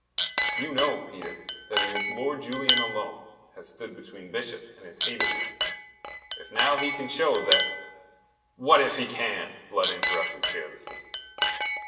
You know, Peter, that it is Lord Julian alone has stood between Bishop and his hate of you. If now he can show that...." "What if he can?" Blood interrupted carelessly.